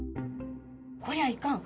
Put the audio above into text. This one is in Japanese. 「こりゃいかん。